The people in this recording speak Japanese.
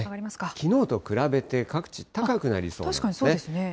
きのうと比べて、各地、高くなりそうなんですね。